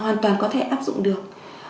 hoàn toàn có thể áp dụng được